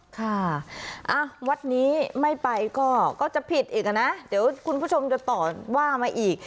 ค่ะวัดนี้ไม่ไปก็จะผิดอีกนะเดี๋ยวคุณผู้ชมจะต่อว่ามาอีก